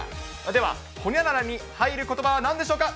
では、ほにゃららに入ることばは、なんでしょうか。